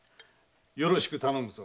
よろしく頼むぞ。